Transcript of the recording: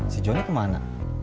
si jonny kemana